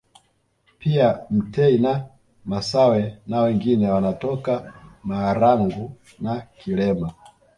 Pia mtei na masawe na wengine wanatoka Marangu na Kilema